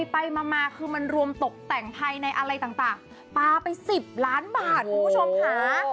ไปมาคือมันรวมตกแต่งภัยในอะไรต่างปลาไป๑๐ล้านบาทคุณผู้ชมค่ะ